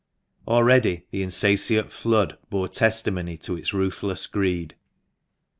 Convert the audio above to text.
Already the insatiate flood bore testimony to its ruthless greed.